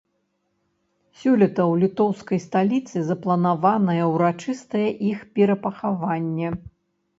Сёлета ў літоўскай сталіцы запланаванае ўрачыстае іх перапахаванне.